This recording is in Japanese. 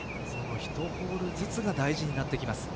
１ホールずつが大事になってきます。